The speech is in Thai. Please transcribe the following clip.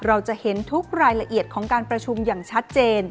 เราจะเห็นทุกรายละเอียดของการประชุมอย่างชัดเจน